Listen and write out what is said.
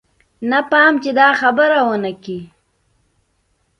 نه پام چې دا خبره ونه کې.